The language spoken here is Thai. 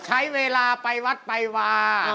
ใช้เวลาไปวัดไปวา